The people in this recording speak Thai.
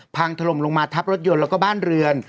พังถล่มลงมาทับรถยนต์แล้วก็บ้านเรือน